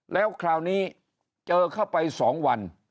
แล้วคราวนี้เจอเข้าไป๒วัน